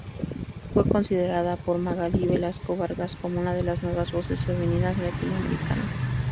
Fue considerada por Magali Velasco Vargas como una de las nuevas voces femeninas latinoamericanas.